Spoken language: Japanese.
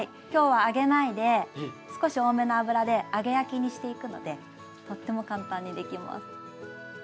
今日は揚げないで少し多めの油で揚げ焼きにしていくのでとっても簡単にできます。